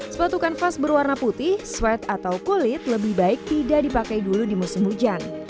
sepatukan vas berwarna putih sweet atau kulit lebih baik tidak dipakai dulu di musim hujan